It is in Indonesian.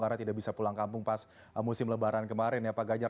karena tidak bisa pulang kampung pas musim lebaran kemarin ya pak ganjar